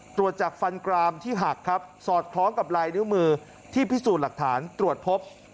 ตรวจจากฟันกรามที่หักครับสอดคล้องกับลายนิ้วมือที่พิสูจน์หลักฐานตรวจพบ